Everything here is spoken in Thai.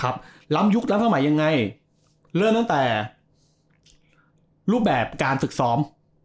ว่ายังไงเริ่มตั้งแต่รูปแบบการศึกซ้อม